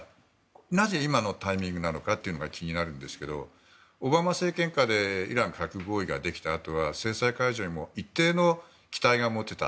なぜ、今のタイミングなのかが気になるんですけどオバマ政権下でイラン核合意ができたあとは制裁解除へも一定の期待が持てた。